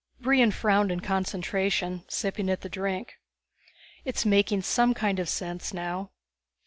Brion frowned in concentration, sipping at the drink. "It's making some kind of sense now.